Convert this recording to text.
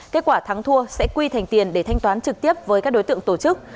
kết quả thắng thua sẽ quy thành tiền để thanh toán trực tiếp với các đối tượng tổ chức